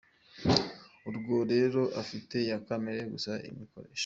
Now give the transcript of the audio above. Uwo rero afite ya kamere gusa imukoresha.